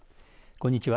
こんにちは。